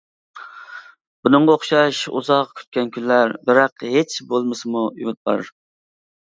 بۇنىڭغا ئوخشاش ئۇزاق كۈتكەن كۈنلەر، بىراق ھېچ بولمىسىمۇ ئۈمىد بار.